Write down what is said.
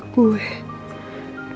aku juga sedih banget